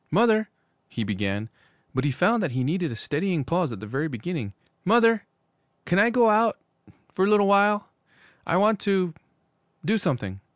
'Mother ' he began; but he found that he needed a steadying pause at the very beginning. 'Mother can I go out for a little while? I want to do something.'